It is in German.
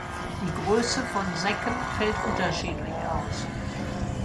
Die Größe von Säcken fällt unterschiedlich aus.